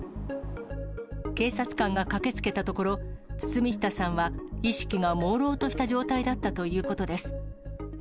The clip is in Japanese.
警察官が駆けつけたところ、堤下さんは意識がもうろうとした状態だったということです。